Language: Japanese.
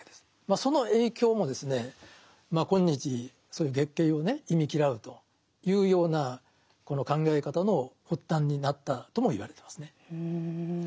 その影響もまあ今日そういう月経をね忌み嫌うというようなこの考え方の発端になったともいわれてますね。